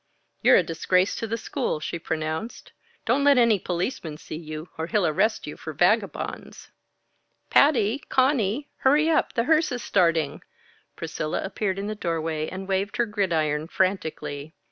"You're a disgrace to the school!" she pronounced. "Don't let any policeman see you, or he'll arrest you for vagabonds." "Patty! Conny! Hurry up. The hearse is starting." Priscilla appeared in the doorway and waved her gridiron frantically.